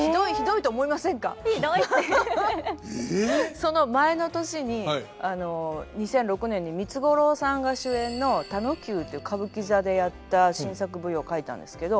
その前の年に２００６年に三津五郎さんが主演の「たのきゅう」っていう歌舞伎座でやった新作舞踊書いたんですけど。